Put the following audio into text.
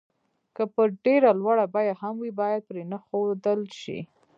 که په ډېره لوړه بيه هم وي بايد پرې نه ښودل شي.